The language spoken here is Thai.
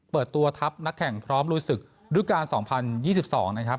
เปิดตัวทัพนักแข่งพร้อมลุยศึกรูปการ๒๐๒๒นะครับ